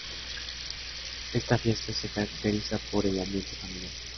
Esta fiesta se caracteriza por el ambiente familiar.